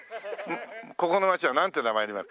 ここの街はなんて名前になる？